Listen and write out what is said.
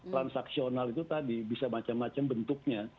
transaksional itu tadi bisa macam macam bentuknya